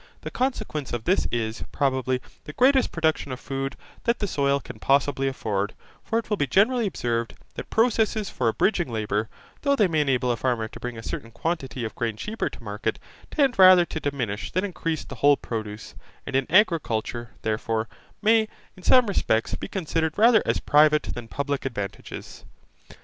The consequence of this is, probably, the greatest production of food that the soil can possibly afford, for it will be generally observed, that processes for abridging labour, though they may enable a farmer to bring a certain quantity of grain cheaper to market, tend rather to diminish than increase the whole produce; and in agriculture, therefore, may, in some respects, be considered rather as private than public advantages.